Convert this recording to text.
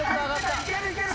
いけるいける！